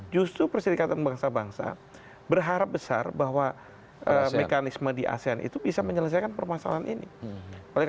justru perserikatan bangsa bangsa berharap besar bahwa mekanisme di asean itu bisa menyelesaikan permasalahan ini